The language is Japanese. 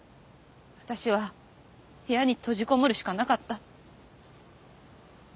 私は部屋に閉じこもるしかなかった。